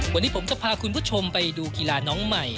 วันนี้ผมจะพาคุณผู้ชมไปดูกีฬาน้องใหม่